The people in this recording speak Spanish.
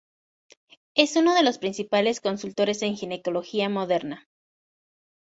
Es uno de los principales consultores en ginecología moderna.